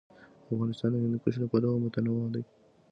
افغانستان د هندوکش له پلوه متنوع دی.